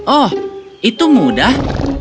oh itu mudah